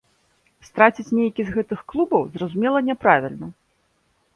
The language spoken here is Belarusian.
Страціць нейкі з гэтых клубаў, зразумела, няправільна.